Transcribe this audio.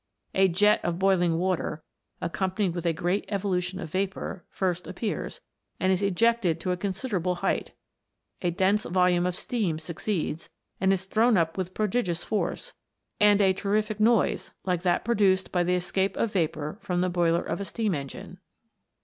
A jet of boiling water, accompanied with a great evolution of vapour, first appears, and is ejected to a considerable height ; a dense volume of steam succeeds, and is thrown up with prodigious force, and a terrific noise like that produced by the escape of vapour from the boiler of a steam engine.